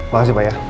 makasih pak ya